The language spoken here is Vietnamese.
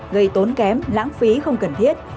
gây tốn kém lãng phí không cần thiết